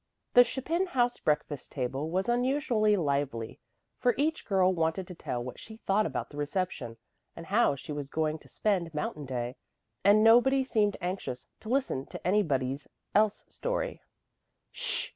The Chapin house breakfast table was unusually lively, for each girl wanted to tell what she thought about the reception and how she was going to spend Mountain Day; and nobody seemed anxious to listen to anybody's else story.